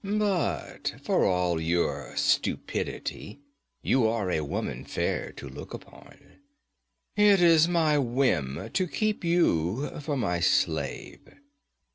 'But for all your stupidity, you are a woman fair to look upon. It is my whim to keep you for my slave.'